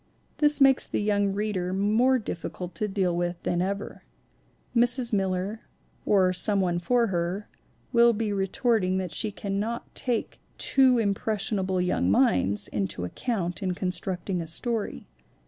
This makes the young reader more difficult to deal with than ever. Mrs. Miller, or some one for her, will be retorting that she cannot take too impression able young minds into account in constructing a story.